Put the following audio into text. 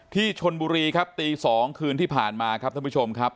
ที่ชนบุรีครับตี๒คืนที่ผ่านมาครับท่านผู้ชมครับ